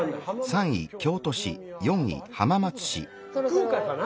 福岡かな？